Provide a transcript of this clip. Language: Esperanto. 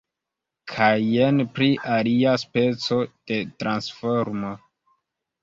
Kaj jen pri alia speco de transformo.